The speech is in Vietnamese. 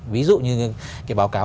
ví dụ như cái báo cáo